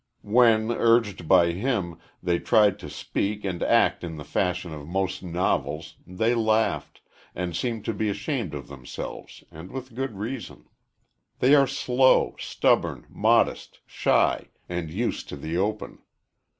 When, urged by him, they tried to speak and act in the fashion of most novels, they laughed, and seemed to be ashamed of themselves, and with good reason. They are slow, stubborn, modest, shy, and used to the open.